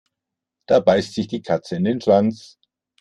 Da beißt sich die Katze in den Schwanz.